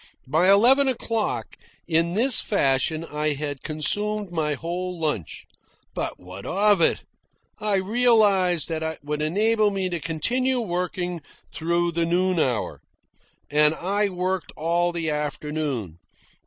By eleven o'clock, in this fashion I had consumed my whole lunch. But what of it? I realised that it would enable me to continue working through the noon hour. And I worked all the afternoon.